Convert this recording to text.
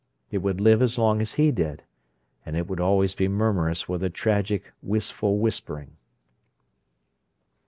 It would live as long as he did, and it would always be murmurous with a tragic, wistful whispering.